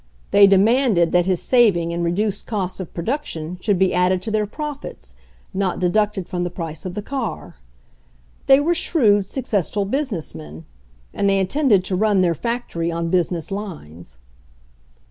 They demanded that his saving in reduced costs of production should be added to their profits, not deducted from the price of the car. They were shrewd, successful business men, and they intended to run their factory on business lines.